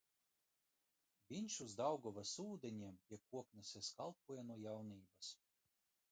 Viņš uz Daugavas ūdeņiem pie Kokneses kalpoja no jaunības.